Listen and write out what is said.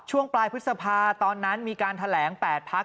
ช่วงปลายพฤษภาตอนนั้นมีการแถลง๘พัก